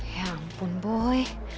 ya ampun boy